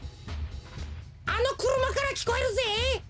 あのくるまからきこえるぜ。